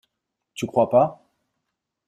Tu crois pas?